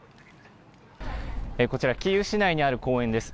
こちら、キーウ市内にある公園です。